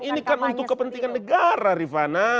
ini kan untuk kepentingan negara rifana